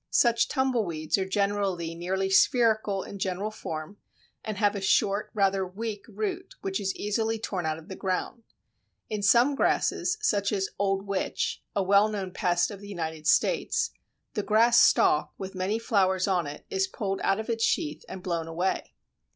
Such tumble weeds are generally nearly spherical in general form and have a short, rather weak, root which is easily torn out of the ground. In some grasses, such as "Old Witch," a well known pest of the United States, the grass stalk, with many flowers on it, is pulled out of its sheath and blown away.